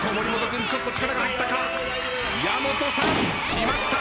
きました！